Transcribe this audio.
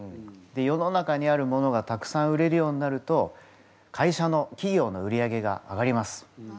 世の中にあるものがたくさん売れるようになると会社の企業の売り上げが上がります。